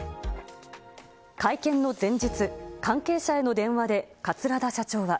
会見の前日、関係者への電話で桂田社長は。